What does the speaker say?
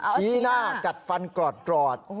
ชี้หน้ากัดฟันกรอด